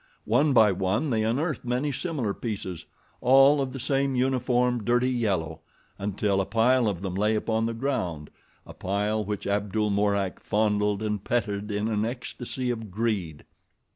One by one they unearthed many similar pieces, all of the same uniform, dirty yellow, until a pile of them lay upon the ground, a pile which Abdul Mourak fondled and petted in an ecstasy of greed.